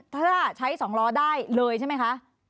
ถ้าใช้๒ล้อได้เลยใช่ไหมคะ